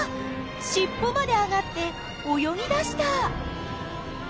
しっぽまで上がって泳ぎだした！